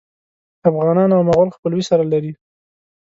افغانان او مغول خپلوي سره لري.